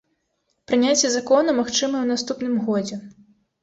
Прыняцце закона магчымае ў наступным годзе.